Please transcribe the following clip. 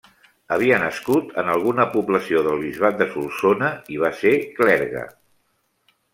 Havia nascut en alguna població del Bisbat de Solsona i va ser clergue.